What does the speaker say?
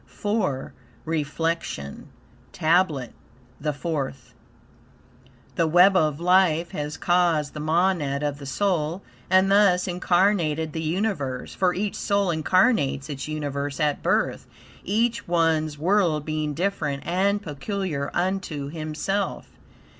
IV REFLECTION TABLET THE FOURTH The web of life has caught the monad of the soul and thus incarnated the universe, for each soul incarnates its universe at birth, each one's world being different, and peculiar unto himself.